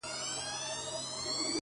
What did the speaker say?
ورته وگورې په مــــــيـــنـــه،